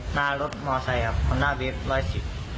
หน้ารถมอไซค์ครับหน้าเบส๑๑๐